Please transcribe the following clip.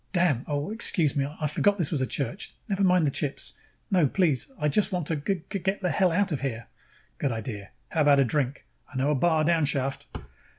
"Damn! Oh, excuse me, I forgot this was a church. Never mind the chips. No, please. I just want to g g get the hell out of here." "Good idea. How about a drink? I know a bar downshaft."